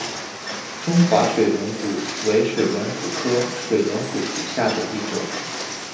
中华水龙骨为水龙骨科水龙骨属下的一个种。